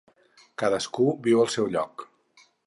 Cadascú viu al seu lloc.